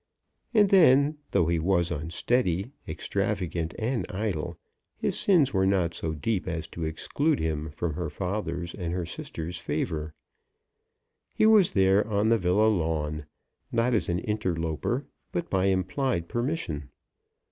And then, though he was unsteady, extravagant, and idle, his sins were not so deep as to exclude him from her father's and her sister's favour. He was there, on the villa lawn, not as an interloper, but by implied permission.